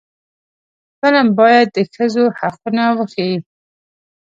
فلم باید د ښځو حقونه وښيي